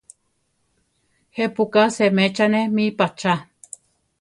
¿Je pu ka seméchane mí pa chá?